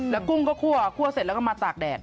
แล้วกุ้งก็คั่วคั่วเสร็จแล้วก็มาตากแดด